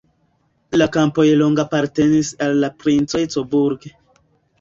La kampoj longe apartenis al princoj Coburg.